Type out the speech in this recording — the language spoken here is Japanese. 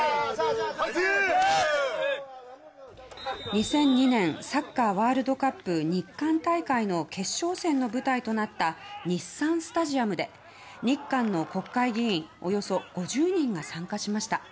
２００２年サッカーワールドカップ日韓大会の決勝戦の舞台となった日産スタジアムで日韓の国会議員およそ５０人が参加しました。